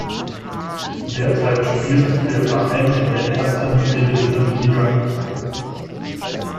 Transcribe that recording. Derzeit spielt der Verein in der ersten schwedischen Liga.